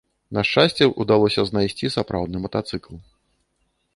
На шчасце, удалося знайсці сапраўдны матацыкл.